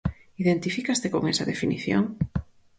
Identifícaste con esa definición?